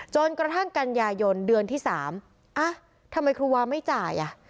จนกระทั่งกันยายนเดือนที่๓ทำไมครูวาไม่จ่ายอ่ะ